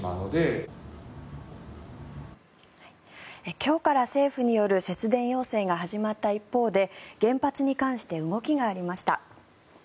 今日から政府による節電要請が始まった一方で原発に関して動きがありました。